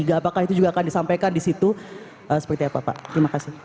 apakah itu juga akan disampaikan di situ seperti apa pak terima kasih